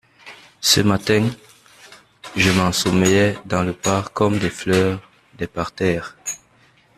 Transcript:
Ce matin je m'ensommeillais dans le parc comme les fleurs des parterres.